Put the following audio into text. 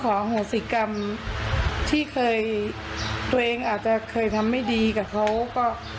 โหสิกรรมที่เคยตัวเองอาจจะเคยทำไม่ดีกับเขาก็